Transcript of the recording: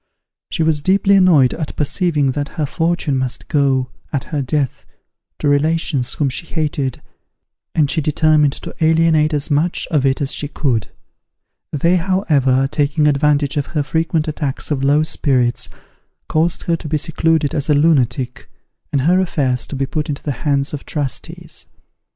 She was deeply annoyed at perceiving that her fortune must go, at her death, to relations whom she hated, and she determined to alienate as much of it as she could. They, however, taking advantage of her frequent attacks of low spirits, caused her to be secluded as a lunatic, and her affairs to be put into the hands of trustees.